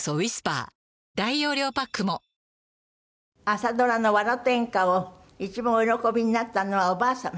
朝ドラの『わろてんか』を一番お喜びになったのはおばあ様？